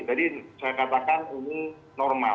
jadi saya katakan ini normal